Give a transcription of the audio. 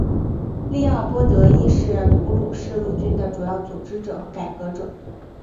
利奥波德亦是普鲁士陆军的主要组织者和改革者。